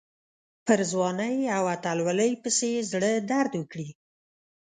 پر ځوانۍ او اتلولۍ پسې یې زړه درد وکړي.